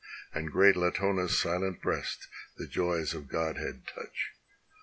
And great Latona's silent breast the joys of godhead touch.